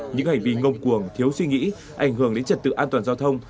những hành vi ngông cuồng thiếu suy nghĩ ảnh hưởng đến trật tự an toàn giao thông